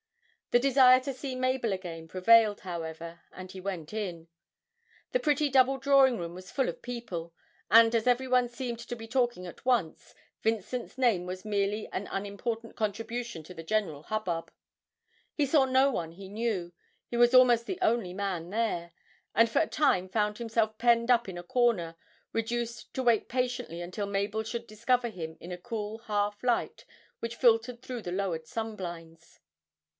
The desire to see Mabel again prevailed, however, and he went in. The pretty double drawing room was full of people, and as everyone seemed to be talking at once, Vincent's name was merely an unimportant contribution to the general hubbub. He saw no one he knew, he was almost the only man there, and for a time found himself penned up in a corner, reduced to wait patiently until Mabel should discover him in the cool half light which filtered through the lowered sunblinds.